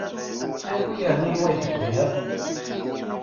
Anwa i yernan wayeḍ deg annar?